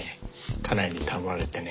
家内に頼まれてね